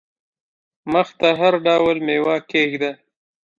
مخ ته هر ډول مېوه کښېږده !